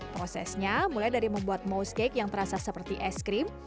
prosesnya mulai dari membuat mouse cake yang terasa seperti es krim